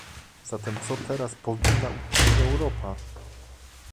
Zatem co teraz powinna uczynić Europa?